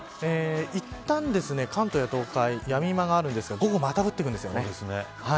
いったん、関東や東北はやみ間があるんですが午後また降ってきます。